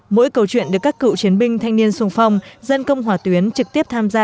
mỗi câu chuyện được các cựu chiến binh thanh niên sung phong dân công hỏa tuyến trực tiếp tham gia